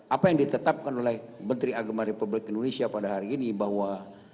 apa yang ditetapkan oleh menteri agama republik indonesia pada hari ini bahwa